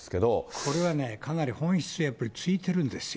これはね、かなり本質を突いてるんですよ。